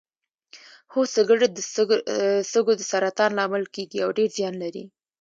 هو سګرټ د سږو د سرطان لامل کیږي او ډیر زیان لري